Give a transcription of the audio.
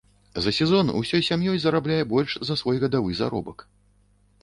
За сезон усёй сям'ёй зарабляе больш за свой гадавы заробак.